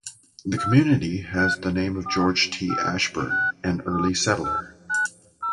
The community has the name of George T. Ashburn, an early settler.